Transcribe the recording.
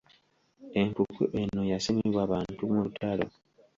Empuku eno yasimibwa bantu mu lutalo.